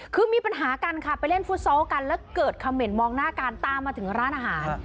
คือมีปัญหากันค่ะไปเล่นฟุตซอลกันแล้วเกิดคำเหม็นมองหน้ากันตามมาถึงร้านอาหาร